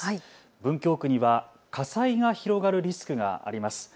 文京区には火災が広がるリスクがあります。